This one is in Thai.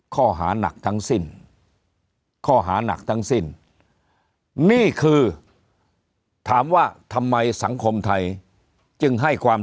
ข้อหานักทั้งสิ้นข้อหานักทั้งสิ้นนี่คือถามว่าทำไมสังคมไทยจึงให้ความ